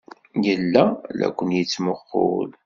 Yella la ken-yettmuqqul.